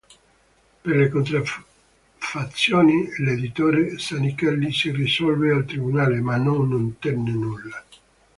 Per le contraffazioni, l'editore Zanichelli si rivolse al tribunale, ma non ottenne nulla.